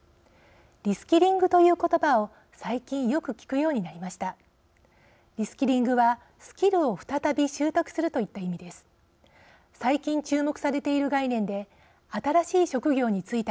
リスキリングという言葉を最近、よく聞くようになりました。